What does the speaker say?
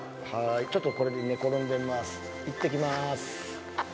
ちょっとこれで寝転んでみます。